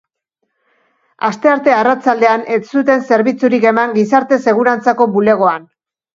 Astearte arratsaldean ez zuten zerbitzurik eman gizarte segurantzako bulegoan.